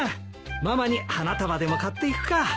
ママに花束でも買っていくか。